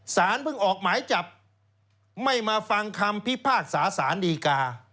สารเพิ่งออกหมายจับไม่มาฟังคำพิพากษาสารดีกา